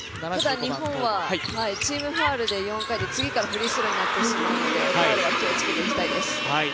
日本はチームファウルが４回で次からフリースローになってしまうのでファウルは気をつけていきたいです。